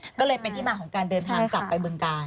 ก็เลยเป็นที่มาของการเดินทางกลับไปบึงการ